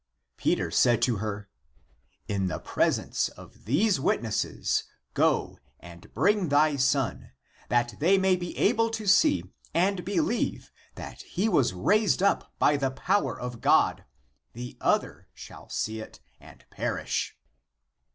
" Peter said to her, " In the presence of these witnesses go and bring thy son, that they may be able to see and believe that he was raised up by the power of God ; the other shall see it and perish."